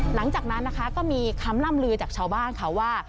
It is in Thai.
หลังจากนั้นก็มีคำลำลือจากชาวบ้านว่า